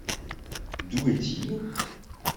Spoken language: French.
D'où est-il ?